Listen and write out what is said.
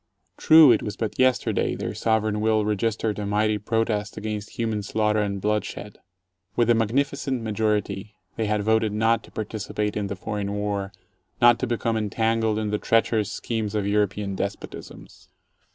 True, it was but yesterday their sovereign will registered a mighty protest against human slaughter and bloodshed. With a magnificent majority they had voted not to participate in the foreign War, not to become entangled in the treacherous schemes of Euro pean despotisms.